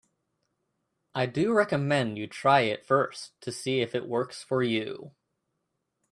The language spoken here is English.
I do recommend you try it first to see if it works for you.